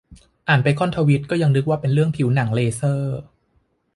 อ่านไปค่อนทวีตยังนึกว่าเป็นเรื่องผิวหนัง เลเซอร์